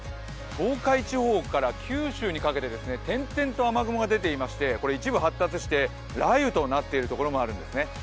東海地方から九州にかけて点々と雨雲が出ていまして、これ一部発達して雷雨となっているところもあるんですね。